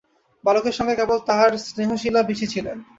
বালকের সঙ্গে কেবল তাহার স্নেহশীলা পিসি ছিলেন।